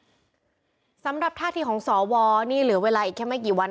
สำหรับท่าทีของสวนี่เหลือเวลาอีกแค่ไม่กี่วัน